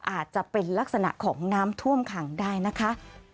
อาจจะเป็นลักษณะของน้ำท่วมขังได้นะคะ